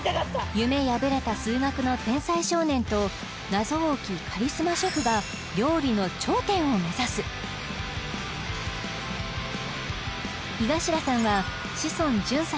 夢破れた数学の天才少年と謎多きカリスマシェフが料理の頂点を目指す井頭さんは志尊淳さん